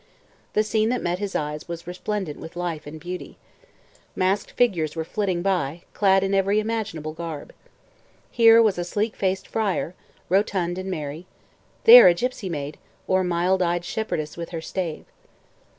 The scene that met his eyes was resplendent with life and beauty. Masked figures were flitting by, clad in every imaginable garb. Here was a sleek faced friar, rotund and merry; there, a gypsy maid, or mild eyed shepherdess with her stave.